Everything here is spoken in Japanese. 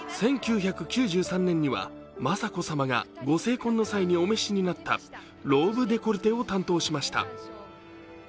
１９９３年には、雅子さまがご成婚の際にお召しになったローブデコルテを担当しました。